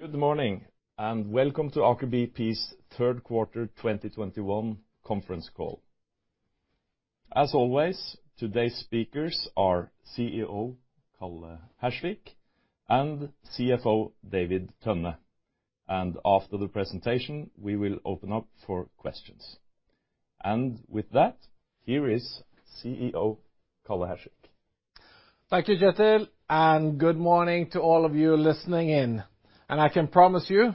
Good morning, and welcome to Aker BP's Third Quarter 2021 Conference Call. As always, today's speakers are CEO Karl Hersvik and CFO David Tønne. After the presentation, we will open up for questions. With that, here is CEO Karl Hersvik. Thank you, Kjetil, and good morning to all of you listening in. I can promise you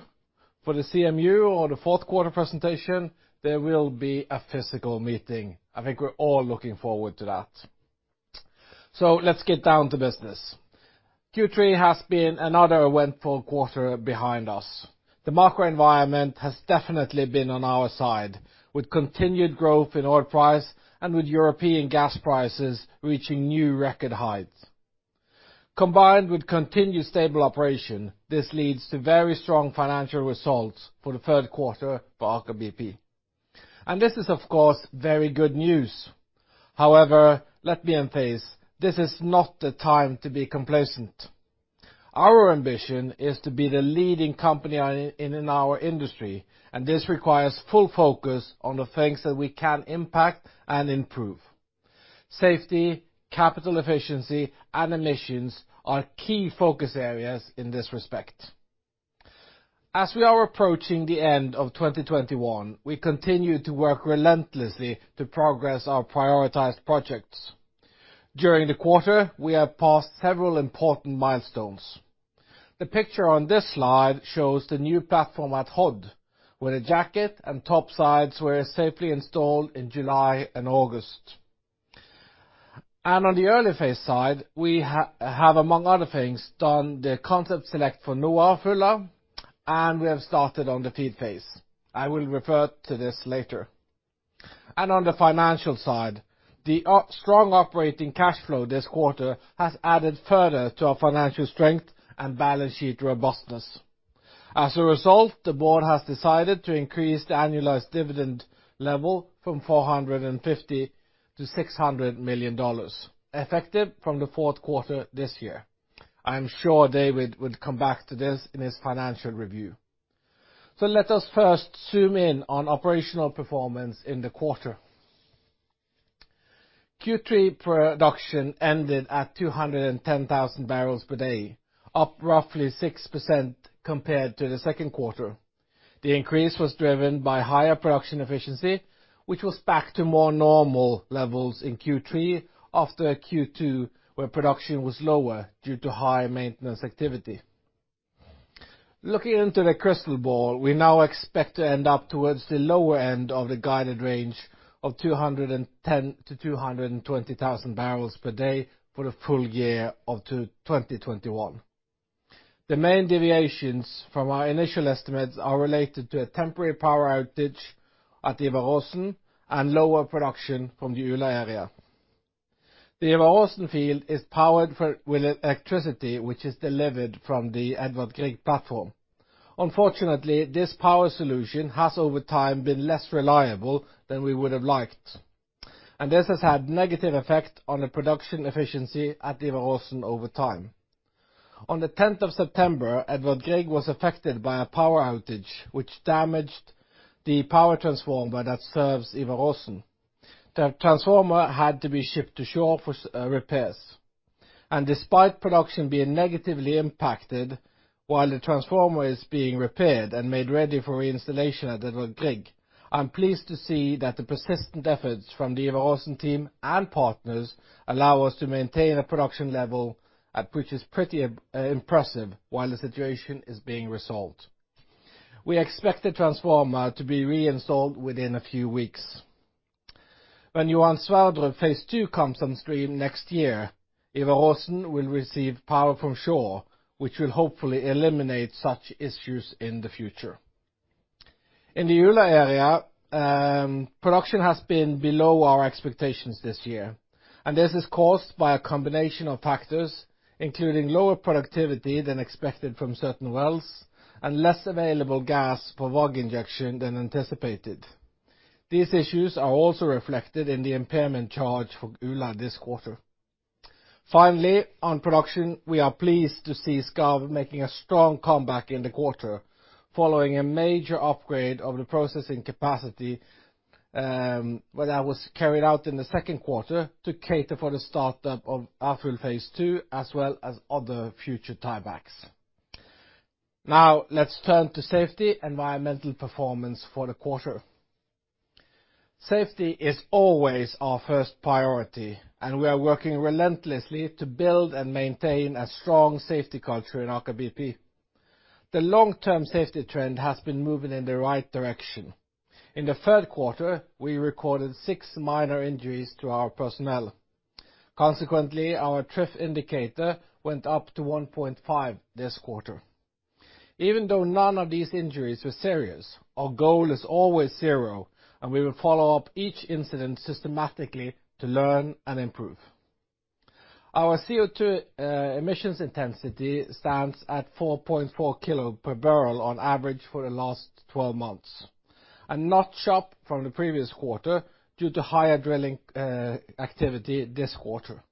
for the CMU or the fourth quarter presentation, there will be a physical meeting. I think we're all looking forward to that. Let's get down to business. Q3 has been another eventful quarter behind us. The macro environment has definitely been on our side, with continued growth in oil price and with European gas prices reaching new record heights. Combined with continued stable operation, this leads to very strong financial results for the third quarter for Aker BP. This is, of course, very good news. However, let me emphasize, this is not the time to be complacent. Our ambition is to be the leading company in our industry, and this requires full focus on the things that we can impact and improve. Safety, capital efficiency, and emissions are key focus areas in this respect. As we are approaching the end of 2021, we continue to work relentlessly to progress our prioritized projects. During the quarter, we have passed several important milestones. The picture on this slide shows the new platform at Hod, where the jacket and topsides were safely installed in July and August. On the early phase side, we have, among other things, done the concept select for NOA Fulla, and we have started on the FEED phase. I will refer to this later. On the financial side, the strong operating cash flow this quarter has added further to our financial strength and balance sheet robustness. As a result, the board has decided to increase the annualized dividend level from $450 million-$600 million, effective from the fourth quarter this year. I am sure David would come back to this in his financial review. Let us first zoom in on operational performance in the quarter. Q3 production ended at 210,000 bbl per day, up roughly 6% compared to the second quarter. The increase was driven by higher production efficiency, which was back to more normal levels in Q3 after Q2, where production was lower due to high maintenance activity. Looking into the crystal ball, we now expect to end up towards the lower end of the guided range of 210,000-220,000 bbl per day for the full year of 2021. The main deviations from our initial estimates are related to a temporary power outage at Ivar Aasen and lower production from the Ula area. The Ivar Aasen field is powered with electricity, which is delivered from the Edvard Grieg platform. Unfortunately, this power solution has over time been less reliable than we would have liked, and this has had negative effect on the production efficiency at Ivar Aasen over time. On the tenth of September, Edvard Grieg was affected by a power outage which damaged the power transformer that serves Ivar Aasen. The transformer had to be shipped to shore for repairs, and despite production being negatively impacted while the transformer is being repaired and made ready for reinstallation at Edvard Grieg, I'm pleased to see that the persistent efforts from the Ivar Aasen team and partners allow us to maintain a production level which is pretty impressive while the situation is being resolved. We expect the transformer to be reinstalled within a few weeks. When Johan Sverdrup Phase 2 comes on stream next year, Ivar Aasen will receive power from shore, which will hopefully eliminate such issues in the future. In the Ula area, production has been below our expectations this year, and this is caused by a combination of factors, including lower productivity than expected from certain wells and less available gas for WAG injection than anticipated. These issues are also reflected in the impairment charge for Ula this quarter. Finally, on production, we are pleased to see Skarv making a strong comeback in the quarter following a major upgrade of the processing capacity, when that was carried out in the second quarter to cater for the startup of Alvheim Phase 2 as well as other future tiebacks. Now let's turn to safety and environmental performance for the quarter. Safety is always our first priority, and we are working relentlessly to build and maintain a strong safety culture in Aker BP. The long-term safety trend has been moving in the right direction. In the third quarter, we recorded six minor injuries to our personnel. Consequently, our TRIF indicator went up to 1.5 this quarter. Even though none of these injuries were serious, our goal is always zero, and we will follow up each incident systematically to learn and improve. Our CO2 emissions intensity stands at 4.4 kg per barrel on average for the last 12 months. Not sharp from the previous quarter due to higher drilling activity this quarter.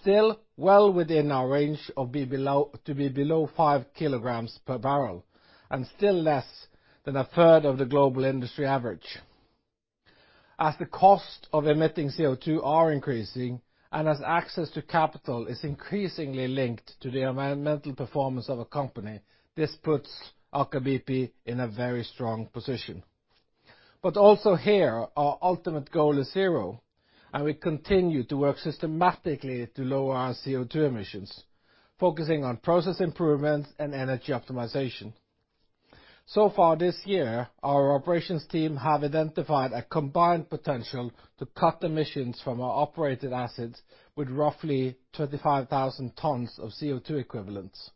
Still well within our range to be below 5 kg per barrel, and still less than a third of the global industry average. As the cost of emitting CO2 are increasing, and as access to capital is increasingly linked to the environmental performance of a company, this puts Aker BP in a very strong position. Also here, our ultimate goal is zero, and we continue to work systematically to lower our CO2 emissions, focusing on process improvement and energy optimization. So far this year, our operations team have identified a combined potential to cut emissions from our operated assets with roughly 25,000 tons of CO2 equivalents,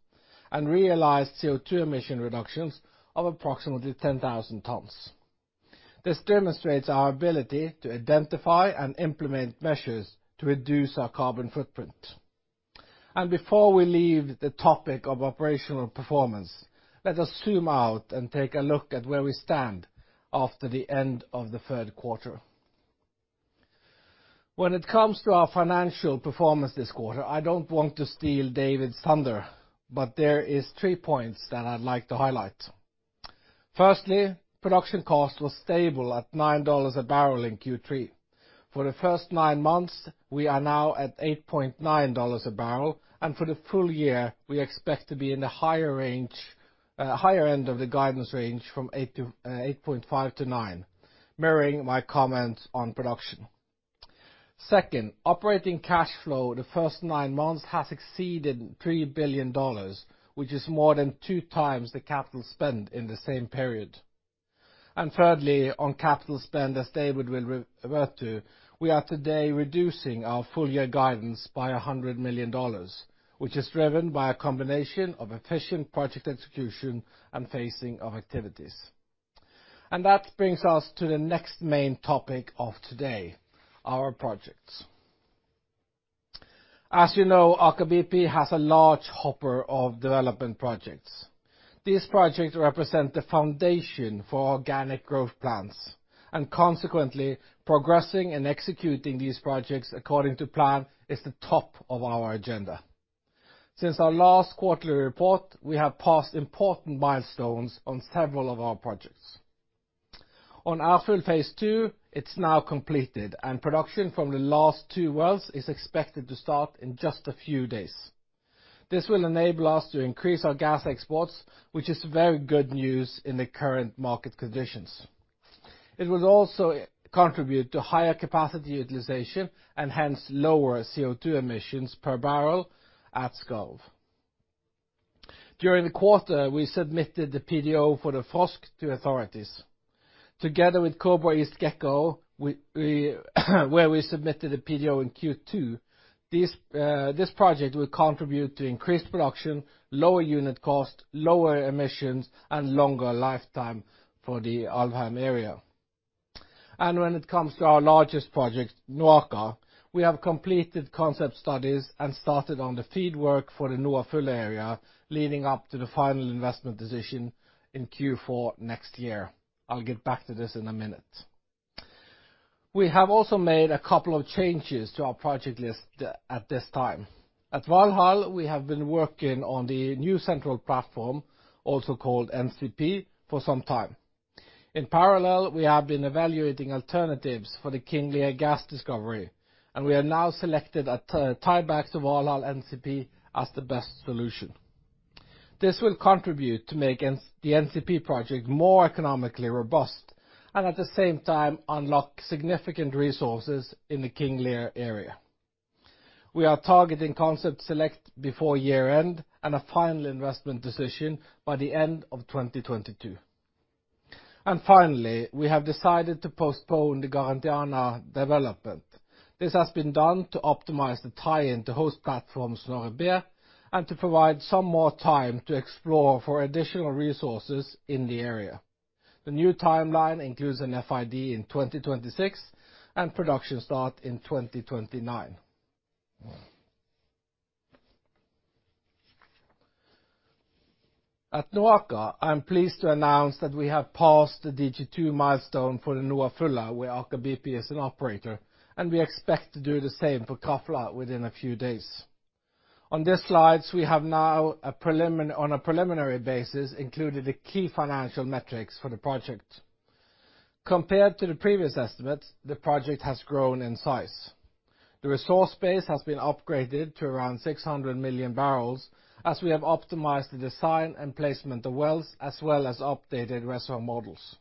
and realized CO2 emission reductions of approximately 10,000 tons. This demonstrates our ability to identify and implement measures to reduce our carbon footprint. Before we leave the topic of operational performance, let us zoom out and take a look at where we stand after the end of the third quarter. When it comes to our financial performance this quarter, I don't want to steal David's thunder, but there are three points that I'd like to highlight. Firstly, production cost was stable at $9 a barrel in Q3. For the first nine months, we are now at $8.9 a barrel, and for the full year, we expect to be in the higher range, higher end of the guidance range from $8 to $8.5 to $9, mirroring my comments on production. Second, operating cash flow the first nine months has exceeded $3 billion, which is more than two times the capital spend in the same period. Thirdly, on capital spend, as David will refer to, we are today reducing our full year guidance by $100 million, which is driven by a combination of efficient project execution and phasing of activities. That brings us to the next main topic of today, our projects. As you know, Aker BP has a large hopper of development projects. These projects represent the foundation for organic growth plans, and consequently, progressing and executing these projects according to plan is the top of our agenda. Since our last quarterly report, we have passed important milestones on several of our projects. On our Ærfugl Phase II, it's now completed, and production from the last two wells is expected to start in just a few days. This will enable us to increase our gas exports, which is very good news in the current market conditions. It will also contribute to higher capacity utilization, and hence lower CO2 emissions per barrel at Skarv. During the quarter, we submitted the PDO for the Kobra East & Gekko to authorities. Together with Kobra East & Gekko, where we submitted the PDO in Q2, this project will contribute to increased production, lower unit cost, lower emissions, and longer lifetime for the Alvheim area. When it comes to our largest project, NOAKA, we have completed concept studies and started on the FEED work for the NOA Fulla area leading up to the final investment decision in Q4 next year. I'll get back to this in a minute. We have also made a couple of changes to our project list at this time. At Valhall, we have been working on the new central platform, also called NCP, for some time. In parallel, we have been evaluating alternatives for the King Lear gas discovery, and we have now selected a tie-back to Valhall NCP as the best solution. This will contribute to making the NCP project more economically robust and at the same time unlock significant resources in the King Lear area. We are targeting concept select before year-end and a final investment decision by the end of 2022. Finally, we have decided to postpone the Garantiana development. This has been done to optimize the tie-in to host platforms Snorre B and to provide some more time to explore for additional resources in the area. The new timeline includes an FID in 2026 and production start in 2029. At NOAKA, I am pleased to announce that we have passed the DG2 milestone for the NOA Fulla, where Aker BP is an operator, and we expect to do the same for Krafla within a few days. On these slides, we have now on a preliminary basis included the key financial metrics for the project. Compared to the previous estimate, the project has grown in size. The resource base has been upgraded to around 600 million bbl, as we have optimized the design and placement of wells, as well as updated reservoir models.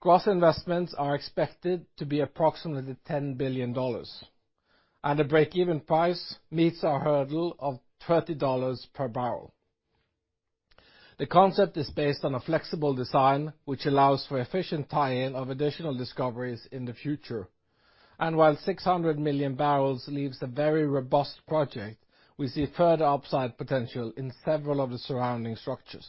Gross investments are expected to be approximately $10 billion. The break-even price meets our hurdle of $30 per barrel. The concept is based on a flexible design, which allows for efficient tie-in of additional discoveries in the future. While 600 million bbl leaves a very robust project, we see further upside potential in several of the surrounding structures.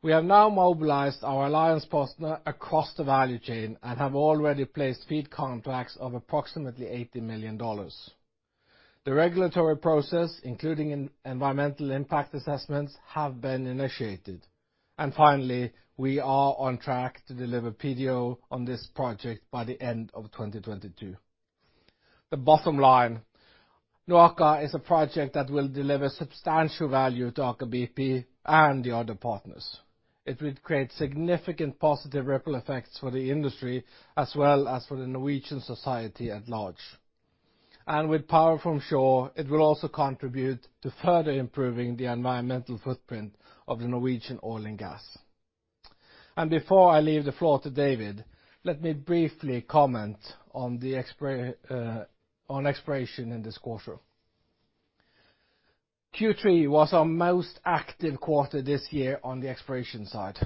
We have now mobilized our alliance partner across the value chain and have already placed FEED contracts of approximately $80 million. The regulatory process, including environmental impact assessments, has been initiated. Finally, we are on track to deliver PDO on this project by the end of 2022. The bottom line, NOAKA is a project that will deliver substantial value to Aker BP and the other partners. It will create significant positive ripple effects for the industry, as well as for the Norwegian society at large. With power from shore, it will also contribute to further improving the environmental footprint of the Norwegian oil and gas. Before I leave the floor to David, let me briefly comment on exploration in this quarter. Q3 was our most active quarter this year on the exploration side.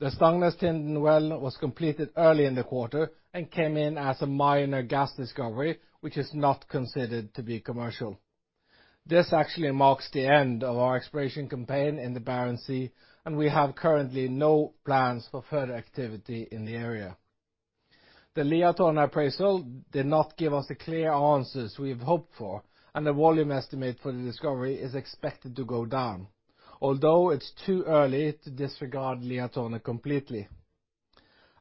The Stangnestind well was completed early in the quarter and came in as a minor gas discovery, which is not considered to be commercial. This actually marks the end of our exploration campaign in the Barents Sea, and we have currently no plans for further activity in the area. The Liatårnet appraisal did not give us the clear answers we have hoped for, and the volume estimate for the discovery is expected to go down, although it's too early to disregard Liatårnet completely.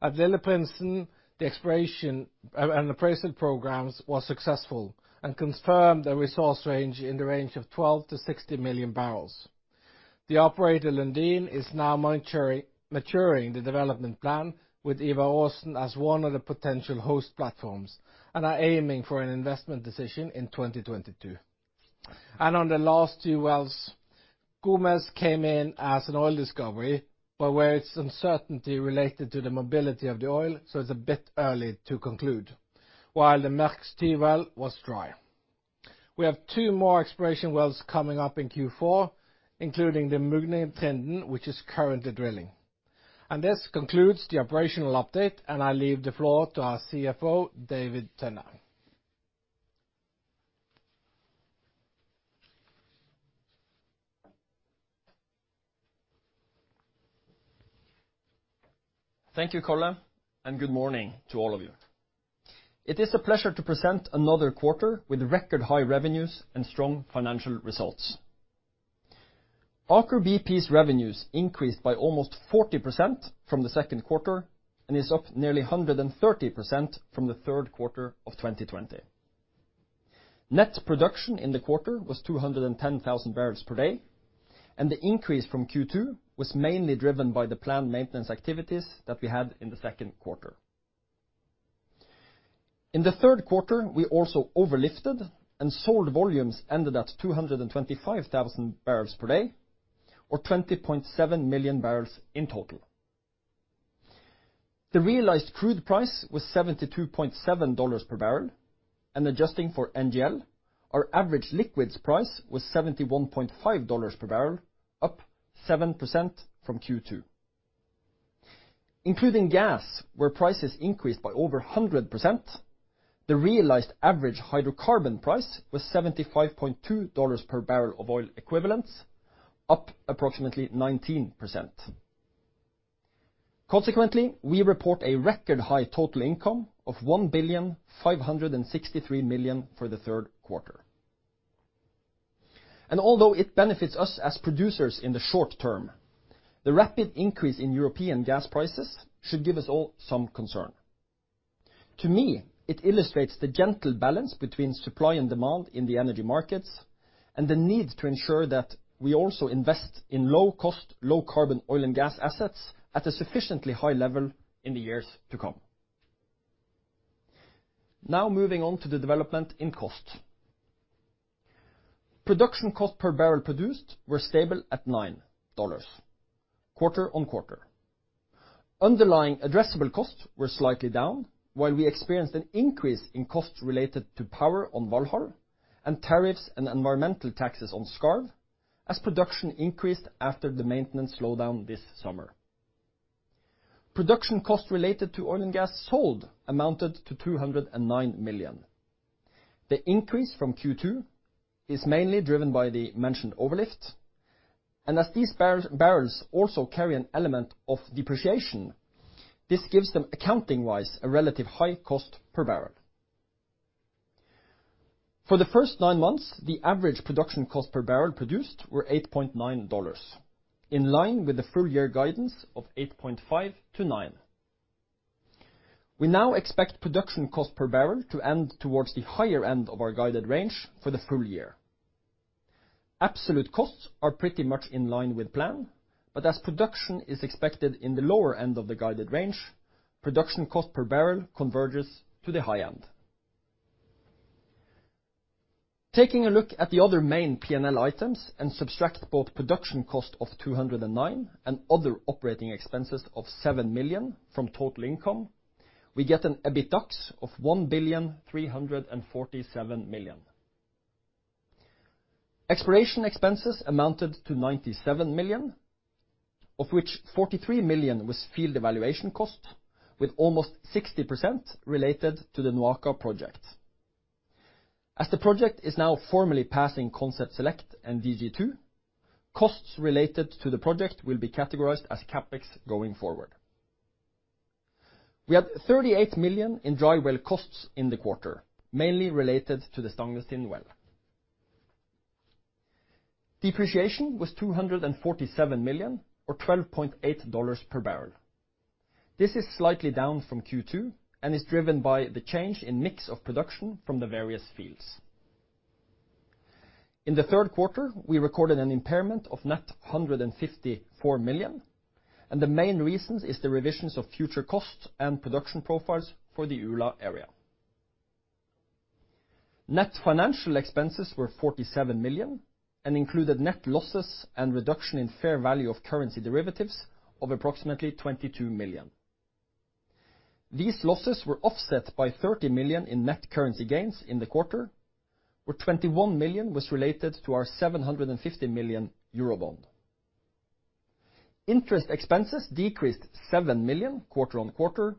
At Lilleprinsen, the exploration and appraisal programs was successful and confirmed the resource range in the range of 12-60 million bbl. The operator, Lundin, is now maturing the development plan with Ivar Aasen as one of the potential host platforms and are aiming for an investment decision in 2022. On the last two wells, Gomez came in as an oil discovery, but there's uncertainty related to the mobility of the oil, so it's a bit early to conclude, while the Merckx Ty well was dry. We have two more exploration wells coming up in Q4, including the Mugnetind, which is currently drilling. This concludes the operational update, and I leave the floor to our CFO, David Tønne. Thank you, Karl, and good morning to all of you. It is a pleasure to present another quarter with record high revenues and strong financial results. Aker BP's revenues increased by almost 40% from the second quarter and is up nearly 130% from the third quarter of 2020. Net production in the quarter was 210,000 bbl per day, and the increase from Q2 was mainly driven by the planned maintenance activities that we had in the second quarter. In the third quarter, we also overlifted and sold volumes ended at 225,000 bbl per day, or 20.7 million bbl in total. The realized crude price was $72.7 per barrel, and adjusting for NGL, our average liquids price was $71.5 per barrel, up 7% from Q2. Including gas, where prices increased by over 100%, the realized average hydrocarbon price was $75.2 per barrel of oil equivalents, up approximately 19%. Consequently, we report a record high total income of $1,563 million for the third quarter. Although it benefits us as producers in the short term, the rapid increase in European gas prices should give us all some concern. To me, it illustrates the gentle balance between supply and demand in the energy markets and the need to ensure that we also invest in low cost, low carbon oil and gas assets at a sufficiently high level in the years to come. Now moving on to the development in cost. Production cost per barrel produced were stable at $9 quarter-on-quarter. Underlying addressable costs were slightly down, while we experienced an increase in costs related to power on Valhall and tariffs and environmental taxes on Skarv as production increased after the maintenance slowdown this summer. Production costs related to oil and gas sold amounted to $209 million. The increase from Q2 is mainly driven by the mentioned overlift. As these barrels also carry an element of depreciation, this gives them, accounting-wise, a relatively high cost per barrel. For the first nine months, the average production cost per barrel produced were $8.9, in line with the full year guidance of $8.5-$9. We now expect production cost per barrel to end towards the higher end of our guided range for the full year. Absolute costs are pretty much in line with plan, but as production is expected in the lower end of the guided range, production cost per barrel converges to the high end. Taking a look at the other main P&L items and subtract both production cost of $209 million and other operating expenses of $7 million from total income, we get an EBITDAX of $1,347 million. Exploration expenses amounted to $97 million, of which $43 million was field evaluation cost, with almost 60% related to the NOAKA project. As the project is now formally passing concept select and DG2, costs related to the project will be categorized as CapEx going forward. We had $38 million in dry well costs in the quarter, mainly related to the Stangnestind well. Depreciation was $247 million or $12.8 per barrel. This is slightly down from Q2 and is driven by the change in mix of production from the various fields. In the third quarter, we recorded an impairment of $154 million, and the main reasons is the revisions of future costs and production profiles for the Ula area. Net financial expenses were $47 million and included net losses and reduction in fair value of currency derivatives of approximately $22 million. These losses were offset by $30 million in net currency gains in the quarter, where $21 million was related to our 750 million euro bond. Interest expenses decreased $7 million quarter-on-quarter,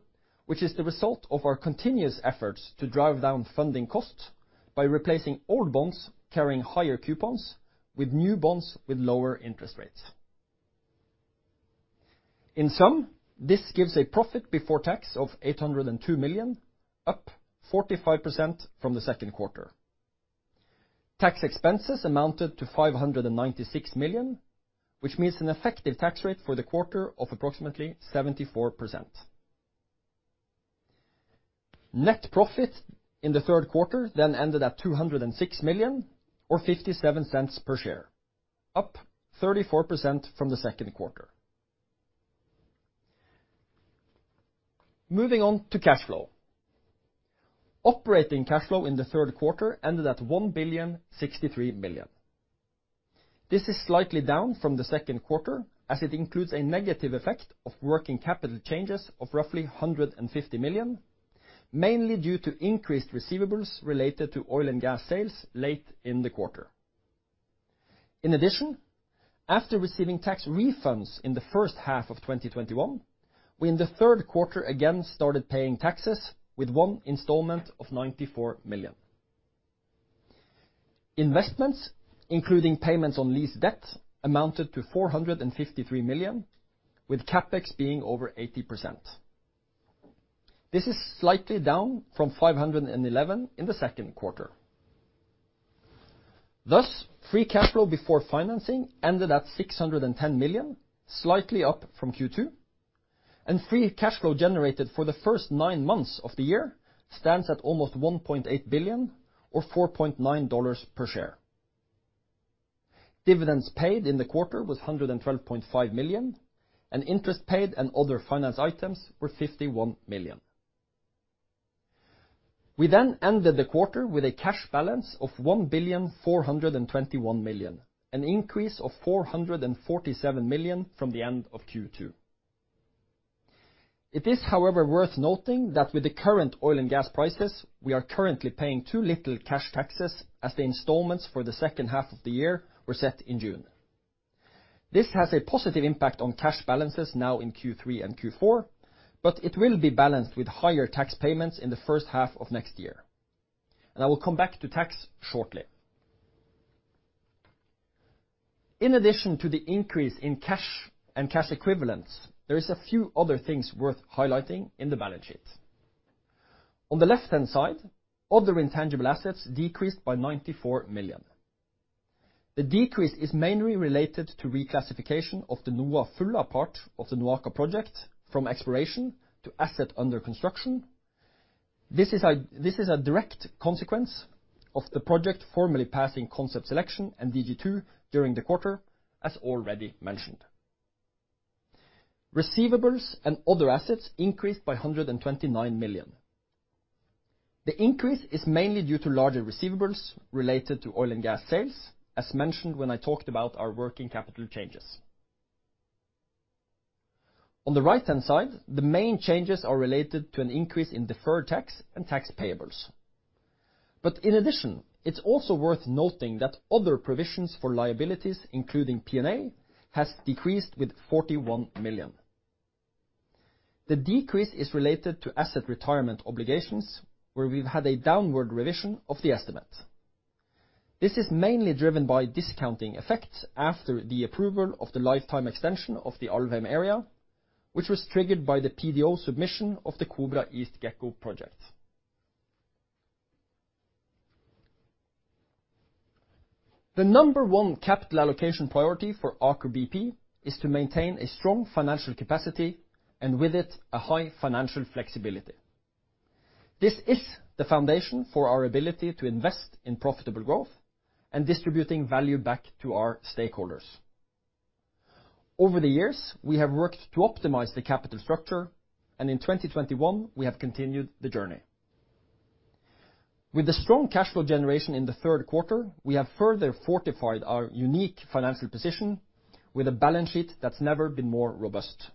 which is the result of our continuous efforts to drive down funding costs by replacing old bonds carrying higher coupons with new bonds with lower interest rates. In sum, this gives a profit before tax of $802 million, up 45% from the second quarter. Tax expenses amounted to $596 million, which means an effective tax rate for the quarter of approximately 74%. Net profit in the third quarter then ended at $206 million, or $0.57 per share, up 34% from the second quarter. Moving on to cash flow. Operating cash flow in the third quarter ended at $1,063 million. This is slightly down from the second quarter, as it includes a negative effect of working capital changes of roughly $150 million, mainly due to increased receivables related to oil and gas sales late in the quarter. In addition, after receiving tax refunds in the first half of 2021, we in the third quarter again started paying taxes with one installment of $94 million. Investments, including payments on lease debt, amounted to $453 million, with CapEx being over 80%. This is slightly down from 511 in the second quarter. Thus, free cash flow before financing ended at $610 million, slightly up from Q2, and free cash flow generated for the first nine months of the year stands at almost $1.8 billion or $4.9 per share. Dividends paid in the quarter was $112.5 million, and interest paid and other finance items were $51 million. We then ended the quarter with a cash balance of $1.421 billion, an increase of $447 million from the end of Q2. It is, however, worth noting that with the current oil and gas prices, we are currently paying too little cash taxes as the installments for the second half of the year were set in June. This has a positive impact on cash balances now in Q3 and Q4, but it will be balanced with higher tax payments in the first half of next year. I will come back to tax shortly. In addition to the increase in cash and cash equivalents, there is a few other things worth highlighting in the balance sheet. On the left-hand side, other intangible assets decreased by $94 million. The decrease is mainly related to reclassification of the NOA Fulla part of the NOAKA project from exploration to asset under construction. This is a direct consequence of the project formally passing concept selection and DG2 during the quarter, as already mentioned. Receivables and other assets increased by $129 million. The increase is mainly due to larger receivables related to oil and gas sales, as mentioned when I talked about our working capital changes. On the right-hand side, the main changes are related to an increase in deferred tax and tax payables. In addition, it's also worth noting that other provisions for liabilities, including P&A, has decreased with $41 million. The decrease is related to asset retirement obligations, where we've had a downward revision of the estimate. This is mainly driven by discounting effects after the approval of the lifetime extension of the Alvheim area, which was triggered by the PDO submission of the Kobra East & Gekko project. The number one capital allocation priority for Aker BP is to maintain a strong financial capacity and with it a high financial flexibility. This is the foundation for our ability to invest in profitable growth and distributing value back to our stakeholders. Over the years, we have worked to optimize the capital structure, and in 2021 we have continued the journey. With the strong cash flow generation in the third quarter, we have further fortified our unique financial position with a balance sheet that's never been more robust.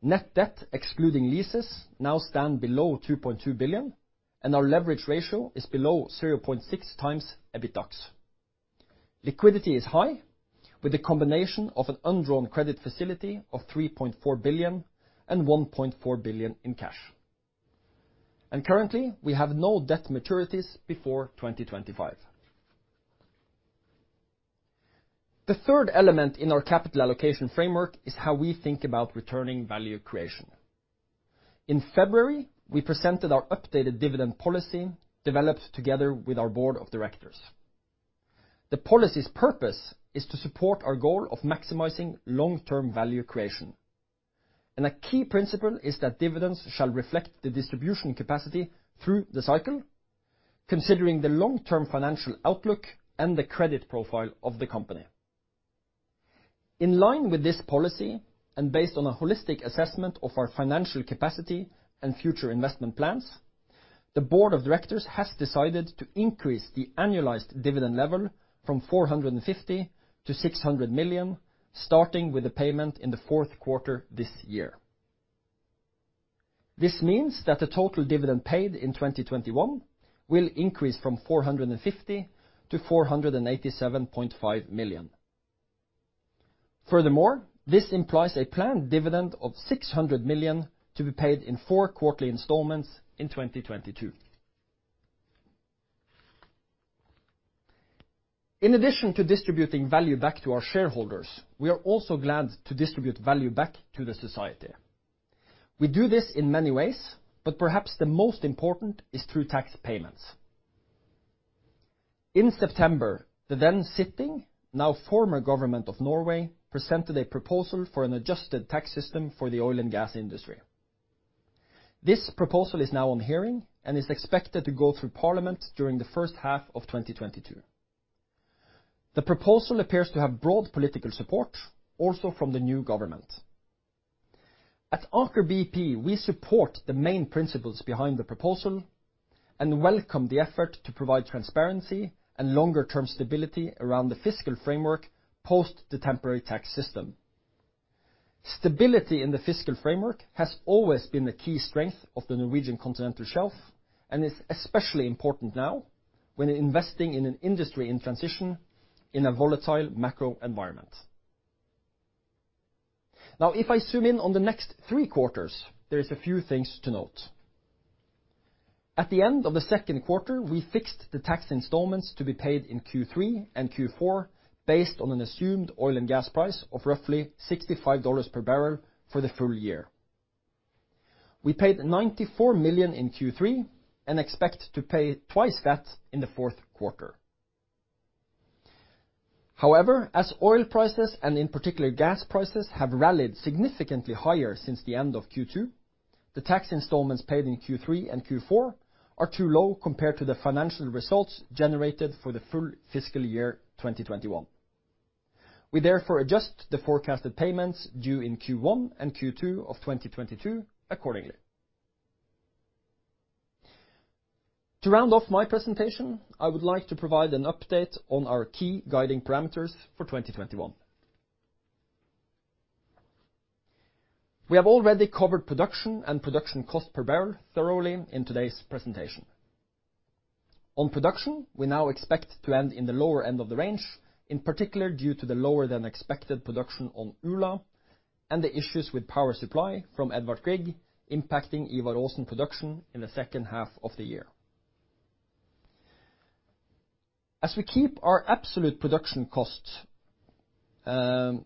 Net debt excluding leases now stand below $2.2 billion, and our leverage ratio is below 0.6x EBITDA. Liquidity is high, with a combination of an undrawn credit facility of $3.4 billion and $1.4 billion in cash. Currently, we have no debt maturities before 2025. The third element in our capital allocation framework is how we think about returning value creation. In February, we presented our updated dividend policy developed together with our board of directors. The policy's purpose is to support our goal of maximizing long-term value creation, and a key principle is that dividends shall reflect the distribution capacity through the cycle, considering the long-term financial outlook and the credit profile of the company. In line with this policy, and based on a holistic assessment of our financial capacity and future investment plans, the board of directors has decided to increase the annualized dividend level from $450 million-$600 million, starting with the payment in the fourth quarter this year. This means that the total dividend paid in 2021 will increase from $450 million to $487.5 million. Furthermore, this implies a planned dividend of $600 million to be paid in four quarterly installments in 2022. In addition to distributing value back to our shareholders, we are also glad to distribute value back to the society. We do this in many ways, but perhaps the most important is through tax payments. In September, the then sitting, now former government of Norway, presented a proposal for an adjusted tax system for the oil and gas industry. This proposal is now on hearing and is expected to go through parliament during the first half of 2022. The proposal appears to have broad political support, also from the new government. At Aker BP, we support the main principles behind the proposal and welcome the effort to provide transparency and longer term stability around the fiscal framework post the temporary tax system. Stability in the fiscal framework has always been the key strength of the Norwegian continental shelf and is especially important now when investing in an industry in transition in a volatile macro environment. Now, if I zoom in on the next three quarters, there is a few things to note. At the end of the second quarter, we fixed the tax installments to be paid in Q3 and Q4 based on an assumed oil and gas price of roughly $65 per barrel for the full year. We paid $94 million in Q3 and expect to pay twice that in the fourth quarter. However, as oil prices, and in particular gas prices, have rallied significantly higher since the end of Q2, the tax installments paid in Q3 and Q4 are too low compared to the financial results generated for the full fiscal year 2021. We therefore adjust the forecasted payments due in Q1 and Q2 of 2022 accordingly. To round off my presentation, I would like to provide an update on our key guiding parameters for 2021. We have already covered production and production cost per barrel thoroughly in today's presentation. On production, we now expect to end in the lower end of the range, in particular due to the lower than expected production on Ula and the issues with power supply from Edvard Grieg impacting Ivar Aasen production in the second half of the year. As we keep our absolute production costs in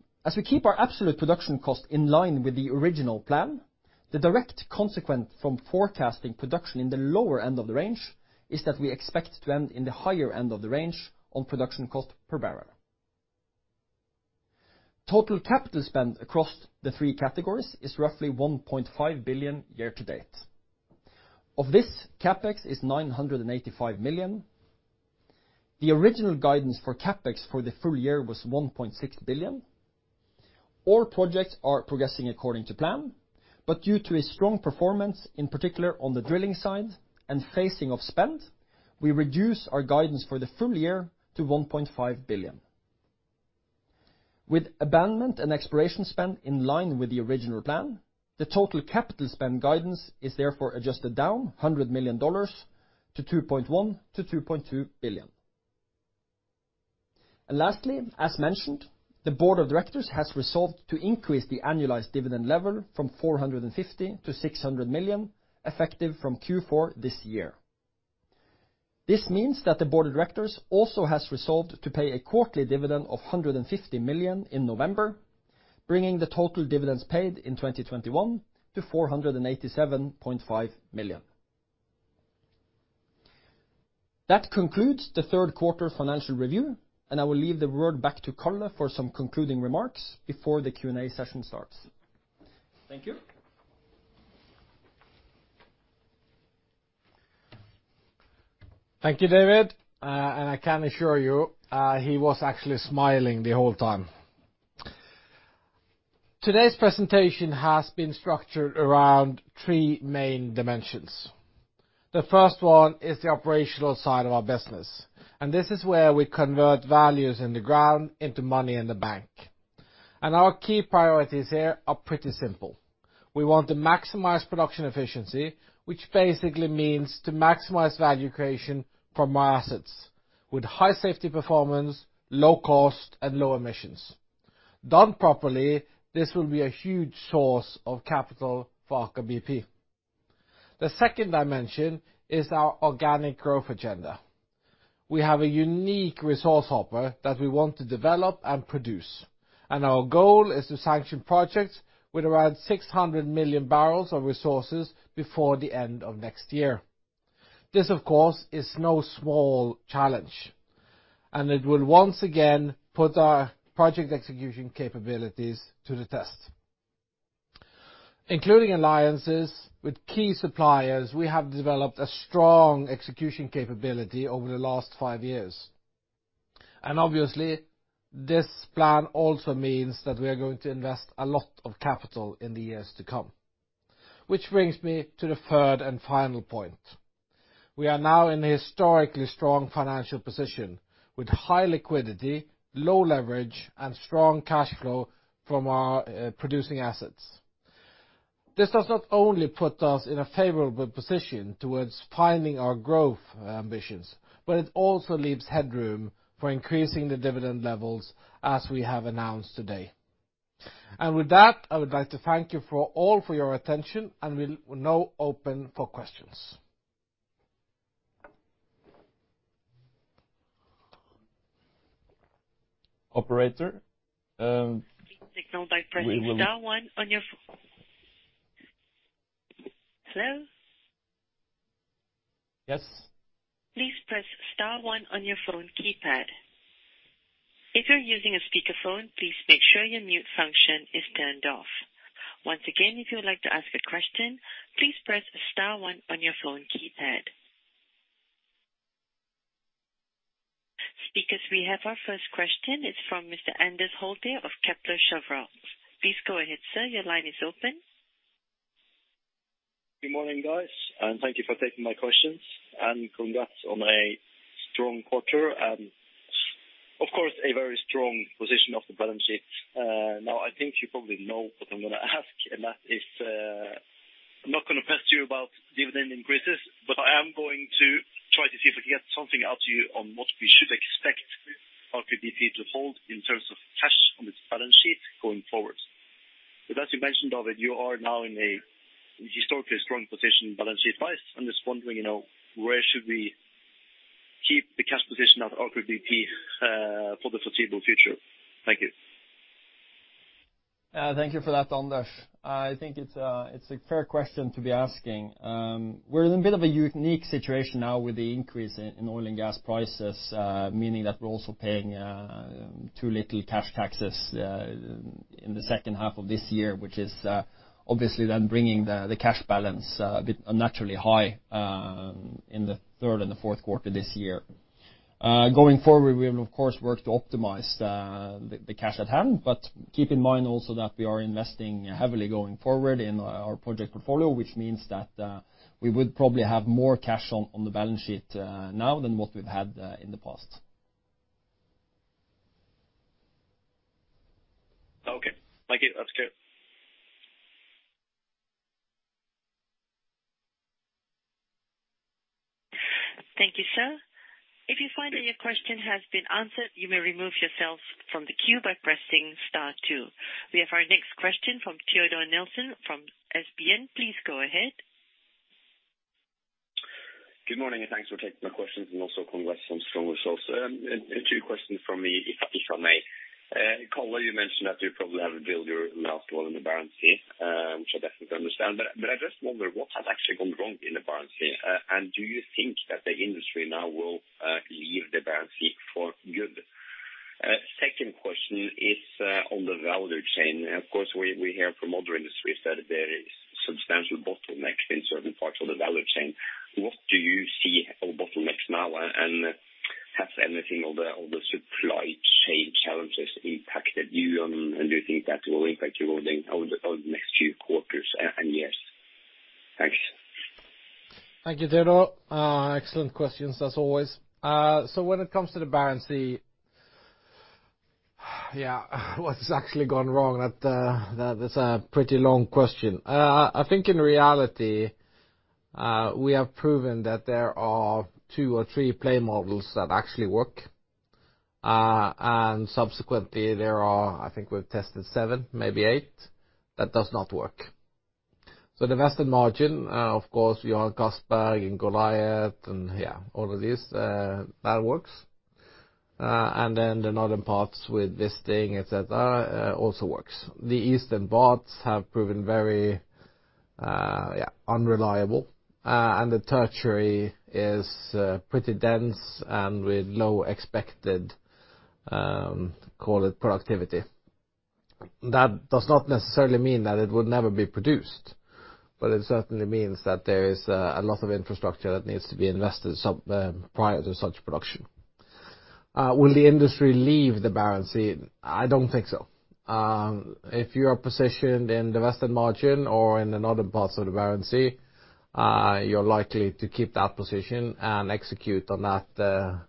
line with the original plan, the direct consequence from forecasting production in the lower end of the range is that we expect to end in the higher end of the range on production cost per barrel. Total capital spend across the three categories is roughly $1.5 billion year-to-date. Of this, CapEx is $985 million. The original guidance for CapEx for the full year was $1.6 billion. All projects are progressing according to plan, but due to a strong performance, in particular on the drilling side, and phasing of spend, we reduce our guidance for the full year to $1.5 billion. With abandonment and exploration spend in line with the original plan, the total capital spend guidance is therefore adjusted down $100 million to $2.1-$2.2 billion. Lastly, as mentioned, the board of directors has resolved to increase the annualized dividend level from $450 million to $600 million, effective from Q4 this year. This means that the board of directors also has resolved to pay a quarterly dividend of $150 million in November, bringing the total dividends paid in 2021 to $487.5 million. That concludes the third quarter financial review, and I will leave the word back to Karl for some concluding remarks before the Q&A session starts. Thank you. Thank you, David. I can assure you, he was actually smiling the whole time. Today's presentation has been structured around three main dimensions. The first one is the operational side of our business, and this is where we convert values in the ground into money in the bank. Our key priorities here are pretty simple. We want to maximize production efficiency, which basically means to maximize value creation from our assets with high safety performance, low cost, and low emissions. Done properly, this will be a huge source of capital for Aker BP. The second dimension is our organic growth agenda. We have a unique resource hopper that we want to develop and produce, and our goal is to sanction projects with around 600 million bbl of resources before the end of next year. This, of course, is no small challenge, and it will once again put our project execution capabilities to the test. Including alliances with key suppliers, we have developed a strong execution capability over the last five years. Obviously, this plan also means that we are going to invest a lot of capital in the years to come. Which brings me to the third and final point. We are now in a historically strong financial position with high liquidity, low leverage and strong cash flow from our producing assets. This does not only put us in a favorable position towards funding our growth ambitions, but it also leaves headroom for increasing the dividend levels as we have announced today. With that, I would like to thank you all for your attention and we'll now open for questions. Operator, Please signal by pressing star one on your phone. Hello? Yes. Please press star one on your phone keypad. If you are using a speaker phone, please make sure your mute function is turned off. Once again if you would like to ask a question, please press star one on your phone keypad. Speakers, we have our first question. It's from Mr. Anders Holte of Kepler Cheuvreux. Please go ahead, sir. Your line is open. Good morning, guys, and thank you for taking my questions. Congrats on a strong quarter and, of course, a very strong position of the balance sheet. Now, I think you probably know what I'm gonna ask, and that is, I'm not gonna press you about dividend increases, but I am going to try to see if I can get something out of you on what we should expect Aker BP to hold in terms of cash on its balance sheet going forward. As you mentioned, David, you are now in a historically strong position balance sheet-wise. I'm just wondering, you know, where should we keep the cash position of Aker BP for the foreseeable future? Thank you. Thank you for that, Anders. I think it's a fair question to be asking. We're in a bit of a unique situation now with the increase in oil and gas prices, meaning that we're also paying too little cash taxes in the second half of this year, which is obviously then bringing the cash balance a bit unnaturally high in the third and the fourth quarter this year. Going forward, we will of course work to optimize the cash at hand, but keep in mind also that we are investing heavily going forward in our project portfolio, which means that we would probably have more cash on the balance sheet now than what we've had in the past. Okay. Thank you. That's clear. Thank you, sir. If you find that your question has been answered, you may remove yourself from the queue by pressing star two. We have our next question from Teodor Sveen-Nilsen from SB1 Markets. Please go ahead. Good morning, and thanks for taking my questions and also congrats on strong results. Two questions from me, if I may. Karl, you mentioned that you probably have to build your Thank you, Teodor. Excellent questions as always. When it comes to the Barents Sea, yeah. That's a pretty long question. I think in reality, we have proven that there are two or three play models that actually work. Subsequently, there are, I think we've tested seven, maybe eight, that does not work. The western margin, of course, we are in Castberg, in Goliat, and yeah, all of these, that works. Then the northern parts with Wisting, et cetera, also works. The eastern parts have proven very, yeah, unreliable. The tertiary is pretty dense and with low expected, call it productivity. That does not necessarily mean that it would never be produced, but it certainly means that there is a lot of infrastructure that needs to be invested prior to such production. Will the industry leave the Barents Sea? I don't think so. If you are positioned in the western margin or in the northern parts of the Barents Sea, you're likely to keep that position and execute on that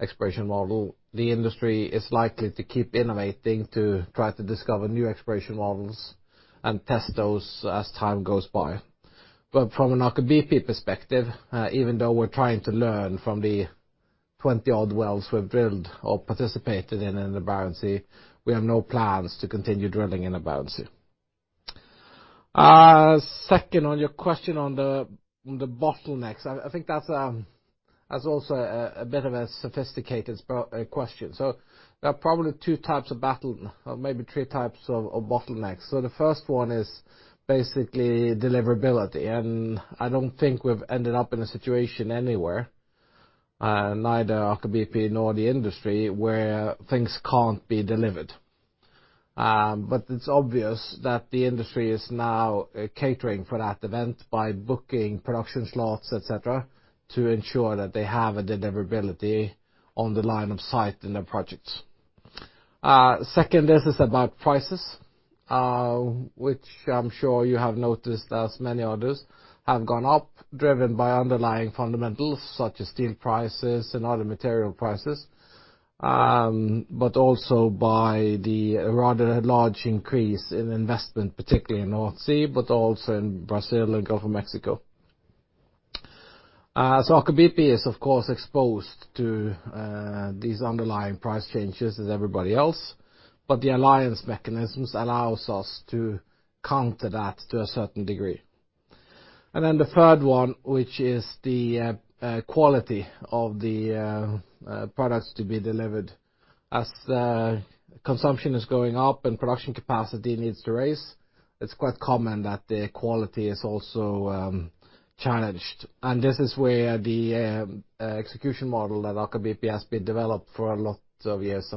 exploration model. The industry is likely to keep innovating to try to discover new exploration models and test those as time goes by. From an Aker BP perspective, even though we're trying to learn from the 20-odd wells we've drilled or participated in in the Barents Sea, we have no plans to continue drilling in the Barents Sea. Second, on your question on the bottlenecks, I think that's also a bit of a sophisticated question. There are probably two types of bottlenecks or maybe three types of bottlenecks. The first one is basically deliverability, and I don't think we've ended up in a situation anywhere, neither Aker BP nor the industry, where things can't be delivered. It's obvious that the industry is now catering for that event by booking production slots, et cetera, to ensure that they have a deliverability on the line of sight in their projects. Second is about prices, which I'm sure you have noticed as many others have gone up, driven by underlying fundamentals such as steel prices and other material prices, but also by the rather large increase in investment, particularly in North Sea, but also in Brazil and Gulf of Mexico. Aker BP is of course exposed to these underlying price changes as everybody else, but the alliance mechanisms allows us to counter that to a certain degree. The third one, which is the quality of the products to be delivered. As consumption is going up and production capacity needs to rise, it's quite common that the quality is also challenged. This is where the execution model that Aker BP has been developed for a lot of years,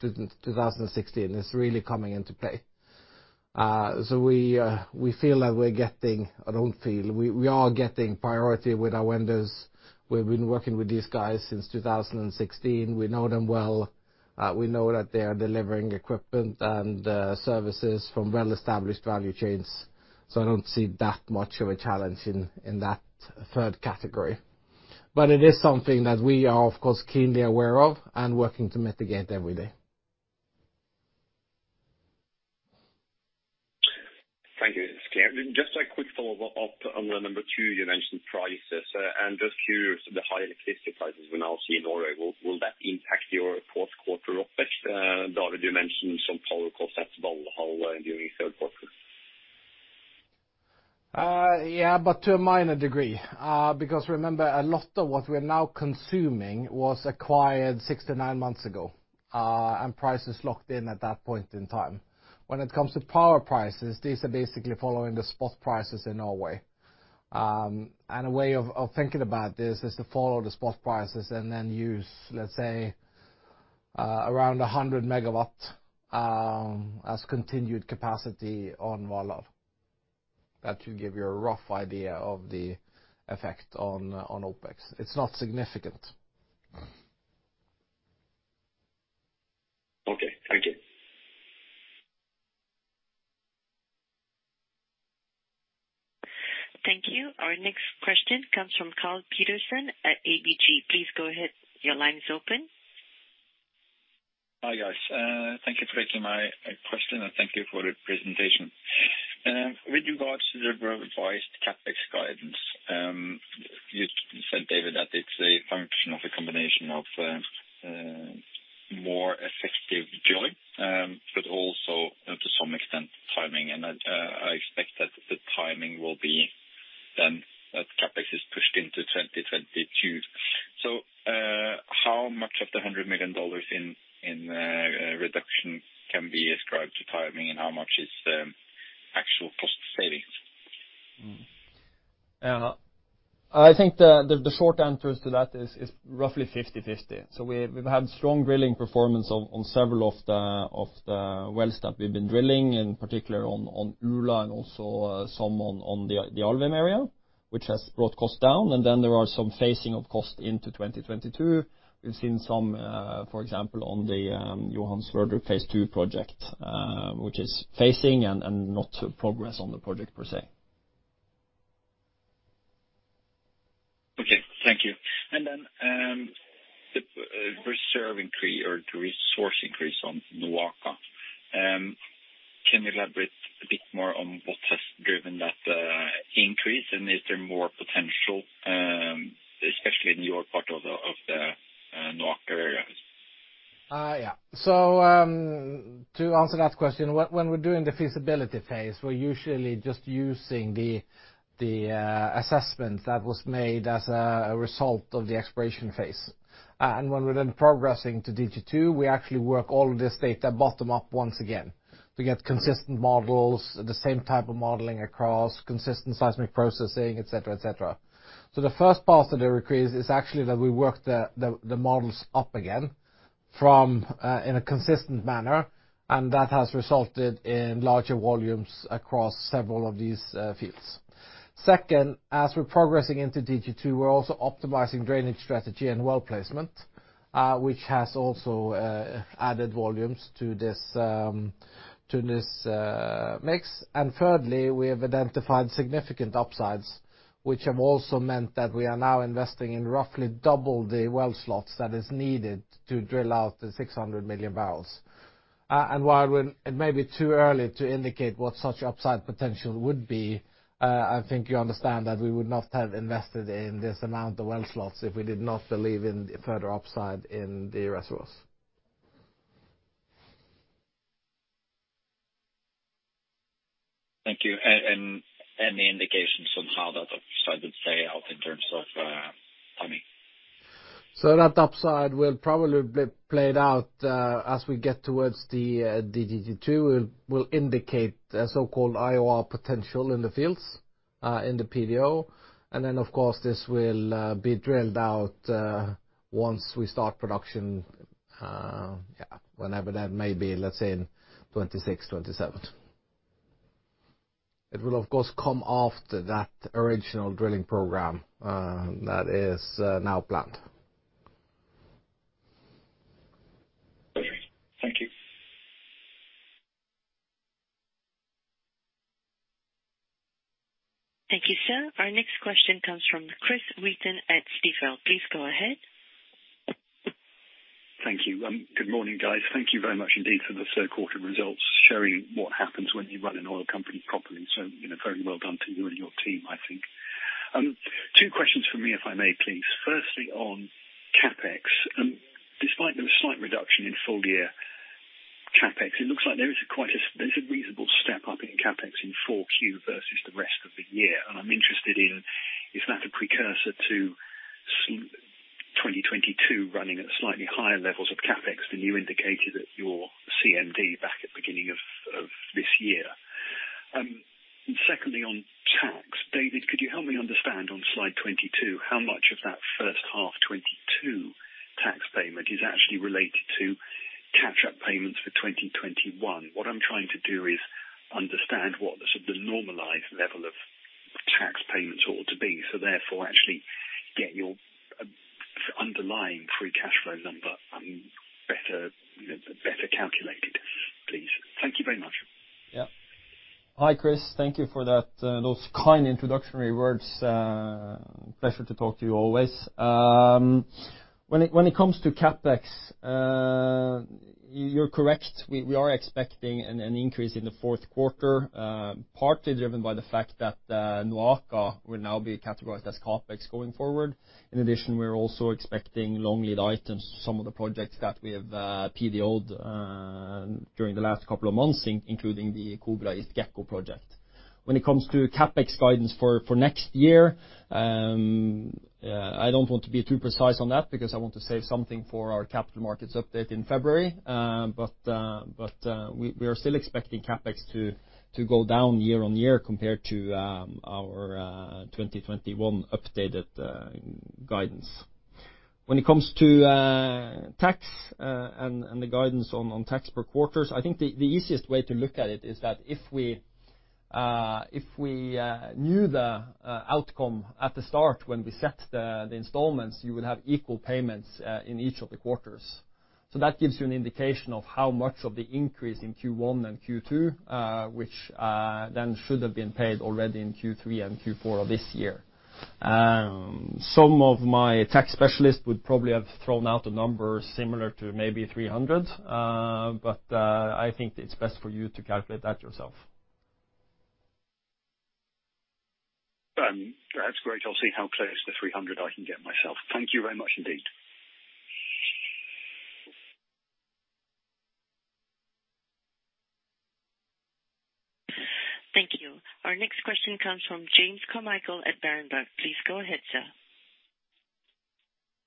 2016, is really coming into play. We feel that we're getting priority with our vendors. We've been working with these guys since 2016. We know them well. We know that they are delivering equipment and services from well-established value chains, so I don't see that much of a challenge in that third category. It is something that we are, of course, keenly aware of and working to mitigate every day. Thank you, Karl. Just a quick follow-up on the number two, you mentioned prices. I'm just curious of the high electricity prices we now see in Norway. Will that impact your fourth quarter OpEx? David, you mentioned some power costs at Valhall during third quarter. Yeah, to a minor degree. Because remember, a lot of what we're now consuming was acquired six to nine months ago, and prices locked in at that point in time. When it comes to power prices, these are basically following the spot prices in Norway. A way of thinking about this is to follow the spot prices and then use, let's say, around 100 MW as continued capacity on Valhall. That should give you a rough idea of the effect on OpEx. It's not significant. Okay. Thank you. Thank you. Our next question comes from Karl Pedersen at ABG. Please go ahead. Your line is open. Hi, guys. Thank you for taking my question, and thank you for the presentation. With regards to the revised CapEx guidance, you said, David, that it's a function of a combination of more effective joint, but also to some extent timing. I expect that the timing will be then that CapEx is pushed into 2022. How much of the $100 million in reduction can be ascribed to timing, and how much is actual cost savings? Yeah. I think the short answer to that is roughly 50/50. We've had strong drilling performance on several of the wells that we've been drilling, in particular on Ula and also some on the Alvheim area, which has brought costs down. Then there are some phasing of costs into 2022. We've seen some, for example, on the Johan Sverdrup Phase 2 project, which is phasing and no progress on the project per se. Okay, thank you. The reserve increase or the resource increase on NOAKA. Can you elaborate a bit more on what has driven that increase, and is there more potential, especially in your part of the NOAKA areas? Yeah. To answer that question, when we're doing the feasibility phase, we're usually just using the assessment that was made as a result of the exploration phase. When we're then progressing to DG 2, we actually work all of this data bottom up once again to get consistent models, the same type of modeling across consistent seismic processing, et cetera. The first part of the increase is actually that we work the models up again from in a consistent manner, and that has resulted in larger volumes across several of these fields. Second, as we're progressing into DG 2, we're also optimizing drainage strategy and well placement, which has also added volumes to this mix. Thirdly, we have identified significant upsides, which have also meant that we are now investing in roughly double the well slots that is needed to drill out the 600 million bbl. While it may be too early to indicate what such upside potential would be, I think you understand that we would not have invested in this amount of well slots if we did not believe in the further upside in the reservoirs. Thank you. Any indications on how that upside would play out in terms of timing? That upside will probably be played out as we get towards the DG2. It will indicate the so-called IOR potential in the fields in the PDO. Of course, this will be drilled out once we start production, whenever that may be, let's say in 2026, 2027. It will, of course, come after that original drilling program that is now planned. Okay. Thank you. Thank you, sir. Our next question comes from Chris Wheaton at Stifel. Please go ahead. Thank you. Good morning, guys. Thank you very much indeed for the third quarter results, showing what happens when you run an oil company properly. You know, very well done to you and your team, I think. Two questions from me, if I may, please. Firstly, on CapEx. Despite the slight reduction in full-year CapEx, it looks like there is quite a, there's a reasonable step-up in CapEx in Q4 vs the rest of the year. I'm interested in, is that a precursor to 2022 running at slightly higher levels of CapEx than you indicated at your CMD back at beginning of this year? Secondly, on tax. David, could you help me understand on slide 22, how much of that first half 2022 tax payment is actually related to catch-up payments for 2021? What I'm trying to do is understand what the sort of normalized level of tax payments ought to be. Actually get your underlying free cash flow number better calculated, please. Thank you very much. Hi, Chris. Thank you for that, those kind introductory words. Pleasure to talk to you always. When it comes to CapEx, you're correct. We are expecting an increase in the fourth quarter, partly driven by the fact that, NOAKA will now be categorized as CapEx going forward. In addition, we're also expecting long-lead items, some of the projects that we have, PDO'd, during the last couple of months, including the Kobra East & Gekko project. When it comes to CapEx guidance for next year, I don't want to be too precise on that because I want to save something for our capital markets update in February. We are still expecting CapEx to go down year-on-year compared to our 2021 updated guidance. When it comes to tax and the guidance on tax per quarters, I think the easiest way to look at it is that if we knew the outcome at the start when we set the installments, you would have equal payments in each of the quarters. That gives you an indication of how much of the increase in Q1 and Q2, which then should have been paid already in Q3 and Q4 of this year. Some of my tax specialists would probably have thrown out a number similar to maybe $300, but I think it's best for you to calculate that yourself. That's great. I'll see how close to 300 I can get myself. Thank you very much indeed. Thank you. Our next question comes from James Carmichael at Berenberg. Please go ahead, sir.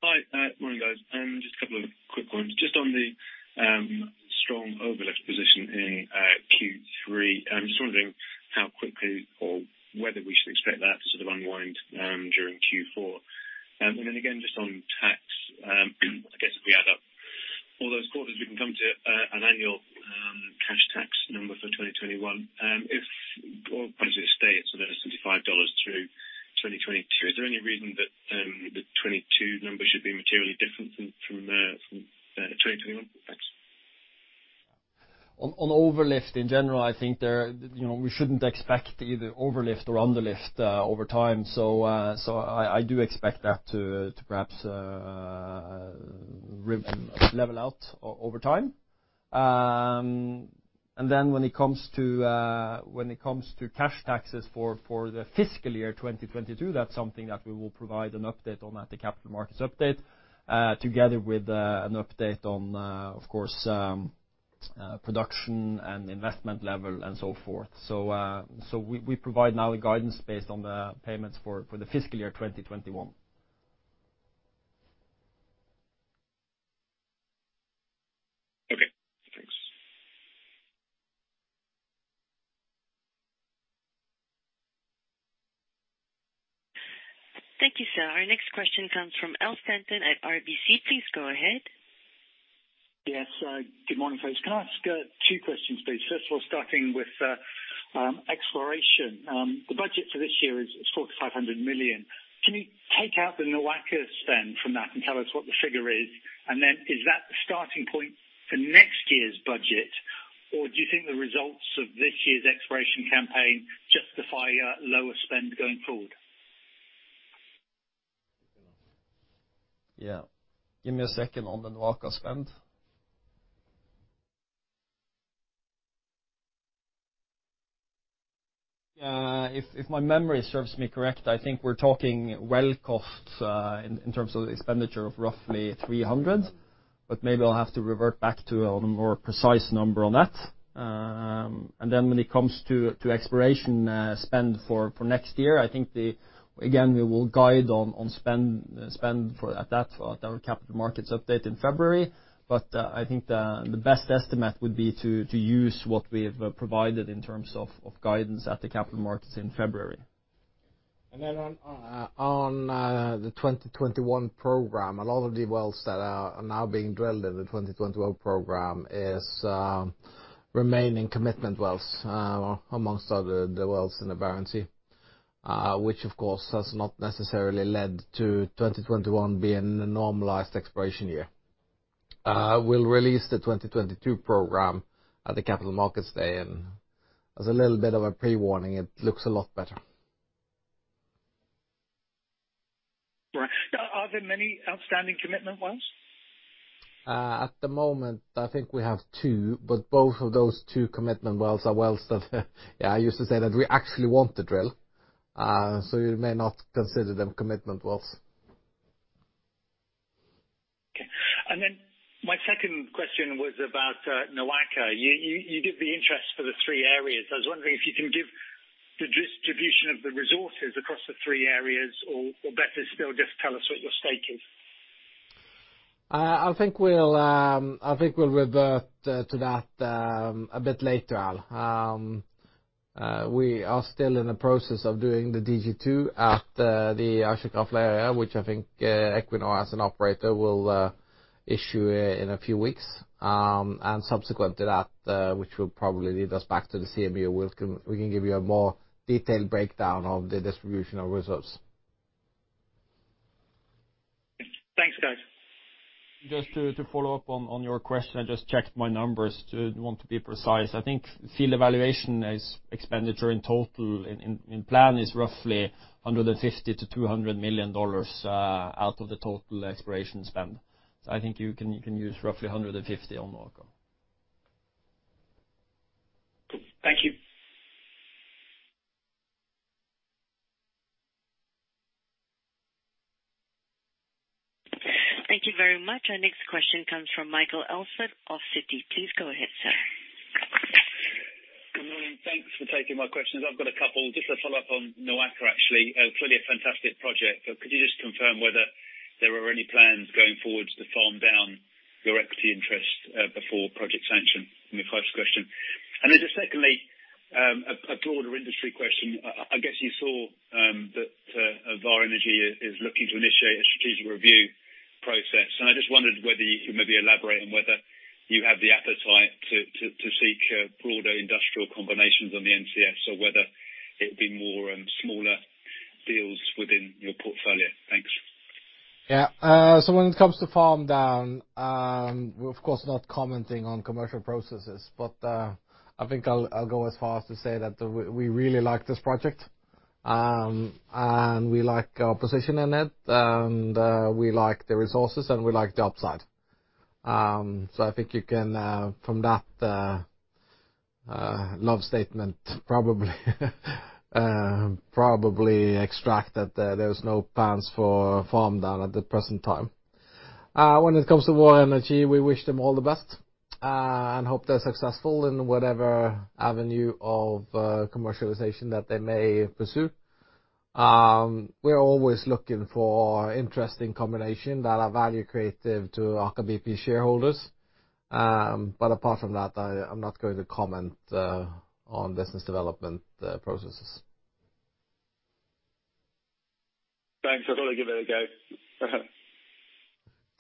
Hi. Morning, guys. Just a couple of quick ones. Just on the strong overlift position in Q3, I'm just wondering how quickly or whether we should expect that to sort of unwind during Q4? Again, just on tax, I guess if we add up all those quarters, we can come to an annual cash tax number for 2021. If, or as it stands, sort of $75 through 2022, is there any reason that the 2022 number should be materially different than from 2021? Thanks. On overlift in general, I think, you know, we shouldn't expect either overlift or underlift over time. I do expect that to perhaps level out over time. When it comes to cash taxes for the fiscal year 2022, that's something that we will provide an update on at the Capital Markets Update together with an update on, of course, production and investment level and so forth. We provide now a guidance based on the payments for the fiscal year 2021. Okay. Thanks. Thank you, sir. Our next question comes from Al Stanton at RBC. Please go ahead. Yes. Good morning, folks. Can I ask two questions, please? First of all, starting with exploration. The budget for this year is $4,500 million. Can you take out the NOAKA spend from that and tell us what the figure is? Is that the starting point for next year's budget, or do you think the results of this year's exploration campaign justify a lower spend going forward? Give me a second on the NOAKA spend. If my memory serves me correct, I think we're talking well costs in terms of expenditure of roughly $300. Maybe I'll have to revert back to a more precise number on that. When it comes to exploration spend for next year, I think again we will guide on spend for that at our Capital Markets Update in February. I think the best estimate would be to use what we've provided in terms of guidance at the Capital Markets Update in February. On the 2021 program, a lot of the wells that are now being drilled in the 2021 program is remaining commitment wells, amongst other, the wells in the Barents Sea. Which of course has not necessarily led to 2021 being a normalized exploration year. We'll release the 2022 program at the capital markets day. As a little bit of a pre-warning, it looks a lot better. Right. Are there many outstanding commitment wells? At the moment, I think we have two, but both of those two commitment wells are wells that I used to say that we actually want to drill. You may not consider them commitment wells. Okay. My second question was about NOAKA. You gave the interest for the three areas. I was wondering if you can give the distribution of the resources across the three areas or better still, just tell us what your stake is. I think we'll revert to that a bit later on. We are still in the process of doing the DG2 at the Askja/Krafla area, which I think Equinor as an operator will issue in a few weeks. Subsequent to that, which will probably lead us back to the CMU, we can give you a more detailed breakdown of the distribution of results. Thanks, guys. Just to follow up on your question, I just checked my numbers. I want to be precise. I think field evaluation expenditure in total in plan is roughly $150 million-$200 million out of the total exploration spend. I think you can use roughly $150 million on NOAKA. Thank you. Thank you very much. Our next question comes from Michael Elson of Citi. Please go ahead, sir. Good morning. Thanks for taking my questions. I've got a couple. Just to follow up on NOAKA, actually. Clearly a fantastic project. Could you just confirm whether there are any plans going forward to farm down your equity interest before project sanction? My first question. Then just secondly, a broader industry question. I guess you saw that Vår Energi is looking to initiate a strategic review process. I just wondered whether you could maybe elaborate on whether you have the appetite to seek broader industrial combinations on the NCS, or whether it would be more smaller deals within your portfolio. Thanks. Yeah. When it comes to farm down, we're of course not commenting on commercial processes. I think I'll go as far as to say that we really like this project. We like our position in it, and we like the resources and we like the upside. I think you can from that love statement, probably extract that there's no plans for farm down at the present time. When it comes to Vår Energi, we wish them all the best and hope they're successful in whatever avenue of commercialization that they may pursue. We are always looking for interesting combination that are value creative to Aker BP shareholders. Apart from that, I'm not going to comment on business development processes. Thanks. I thought I'd give it a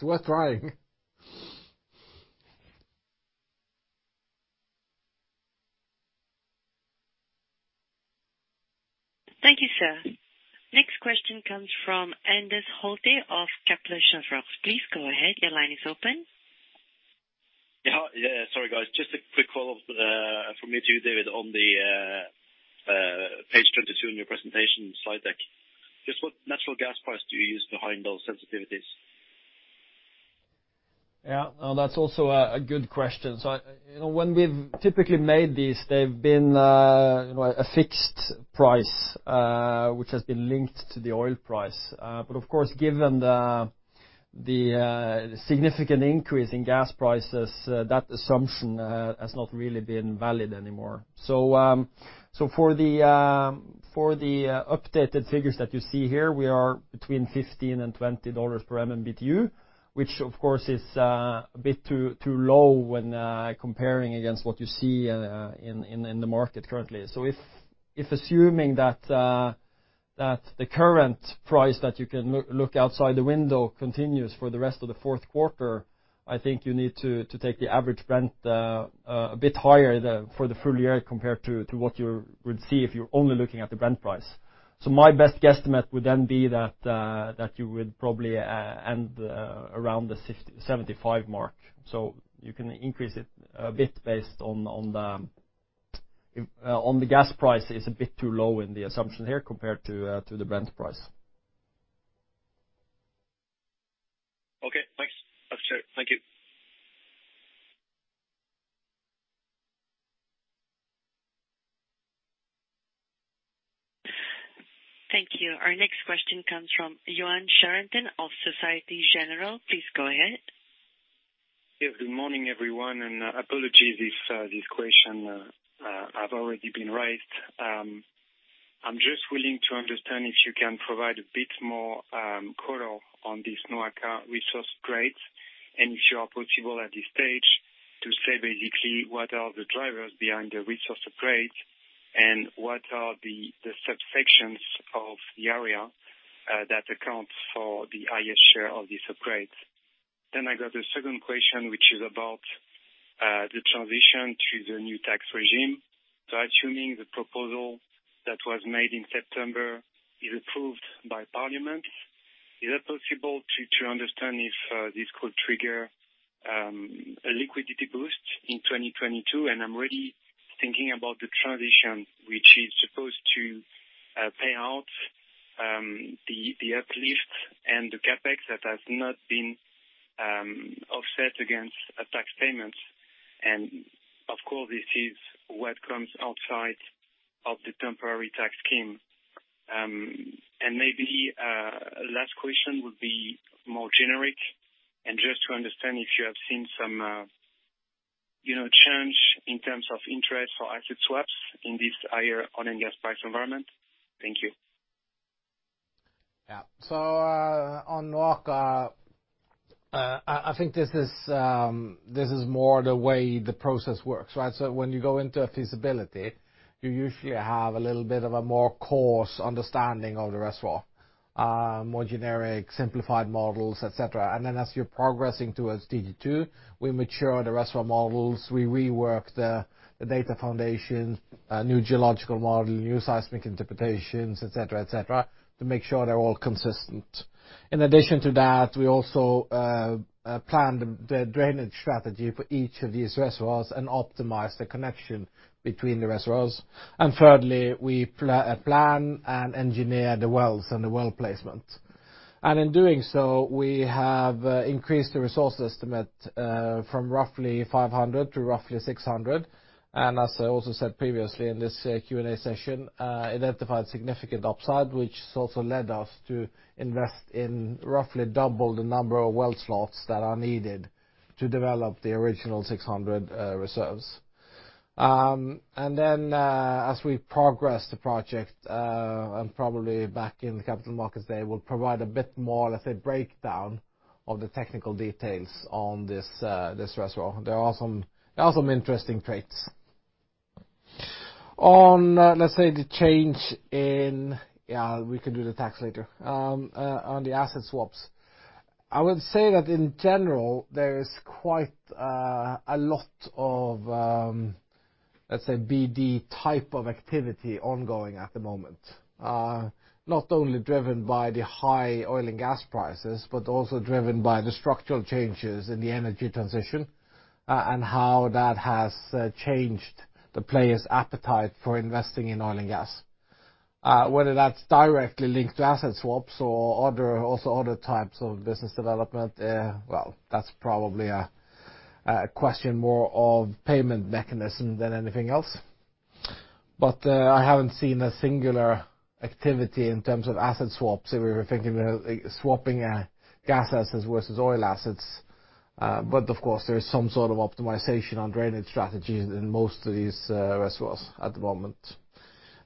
go. Worth trying. Thank you, sir. Next question comes from Anders Holte of Kepler Cheuvreux. Please go ahead. Your line is open. Yeah. Sorry, guys. Just a quick follow-up from me to you, David, on the page 22 in your presentation slide deck. Just what natural gas price do you use behind those sensitivities? Yeah. That's also a good question. I, you know, when we've typically made these, they've been, you know, a fixed price, which has been linked to the oil price. Of course, given the significant increase in gas prices, that assumption has not really been valid anymore. For the updated figures that you see here, we are between $15 and $20 per MMBtu, which of course is a bit too low when comparing against what you see in the market currently. If assuming that the current price that you can look outside the window continues for the rest of the fourth quarter, I think you need to take the average Brent a bit higher for the full year compared to what you would see if you are only looking at the Brent price. My best guesstimate would then be that you would probably end around the $60-$75 mark. You can increase it a bit based on the gas price is a bit too low in the assumption here compared to the Brent price. Okay, thanks. That's it. Thank you. Thank you. Our next question comes from Yoann Charenton of Société Générale. Please go ahead. Yes, good morning, everyone, and apologies if this question have already been raised. I'm just willing to understand if you can provide a bit more color on this NOAKA resource upgrades, and if it's possible at this stage to say, basically, what are the drivers behind the resource upgrades, and what are the subsections of the area that accounts for the highest share of these upgrades. I got the second question, which is about the transition to the new tax regime. Assuming the proposal that was made in September is approved by parliament, is it possible to understand if this could trigger a liquidity boost in 2022? I'm really thinking about the transition which is supposed to pay out the uplift and the CapEx that has not been offset against a tax payment. Of course, this is what comes outside of the temporary tax scheme. Maybe last question would be more generic and just to understand if you have seen some you know change in terms of interest for asset swaps in this higher oil and gas price environment. Thank you. Yeah. On NOAKA, I think this is more the way the process works, right? When you go into a feasibility, you usually have a little bit of a more coarse understanding of the reservoir, more generic, simplified models, et cetera. As you're progressing towards DG2, we mature the reservoir models, we rework the data foundation, new geological model, new seismic interpretations, et cetera, to make sure they're all consistent. In addition to that, we also plan the drainage strategy for each of these reservoirs and optimize the connection between the reservoirs. Thirdly, we plan and engineer the wells and the well placement. In doing so, we have increased the resource estimate from roughly 500-roughly 600. As I also said previously in this Q&A session, we identified significant upside, which has also led us to invest in roughly double the number of well slots that are needed to develop the original 600 reserves. As we progress the project, and probably back in the capital markets day, we'll provide a bit more, let's say, breakdown of the technical details on this reservoir. There are some interesting traits. We can do the tax later. On the asset swaps, I would say that in general, there is quite a lot of, let's say, BD type of activity ongoing at the moment. Not only driven by the high oil and gas prices, but also driven by the structural changes in the energy transition, and how that has changed the players' appetite for investing in oil and gas. Whether that's directly linked to asset swaps or other, also other types of business development, well, that's probably a question more of payment mechanism than anything else. I haven't seen a singular activity in terms of asset swaps, if we were thinking about swapping gas assets vs oil assets. But of course, there is some sort of optimization on drainage strategies in most of these reservoirs at the moment.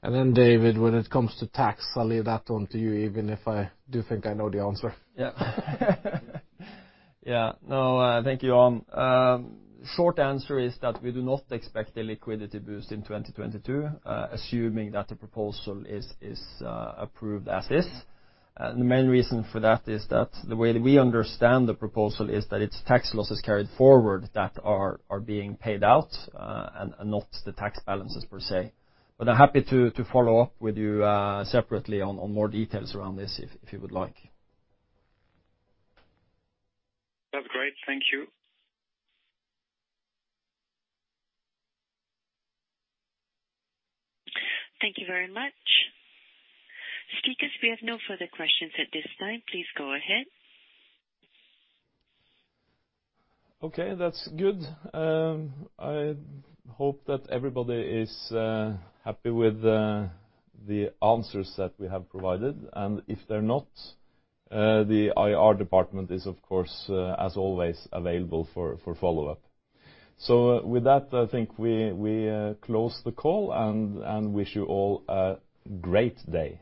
David, when it comes to tax, I'll leave that one to you, even if I do think I know the answer. No, thank you, Yoann. Short answer is that we do not expect a liquidity boost in 2022, assuming that the proposal is approved as is. The main reason for that is that the way we understand the proposal is that it's tax losses carried forward that are being paid out, and not the tax balances per se. I'm happy to follow up with you separately on more details around this if you would like. That's great. Thank you. Thank you very much. Speakers, we have no further questions at this time. Please go ahead. Okay, that's good. I hope that everybody is happy with the answers that we have provided. If they're not, the IR department is, of course, as always available for follow-up. With that, I think we close the call and wish you all a great day.